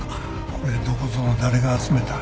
これどこぞの誰が集めた？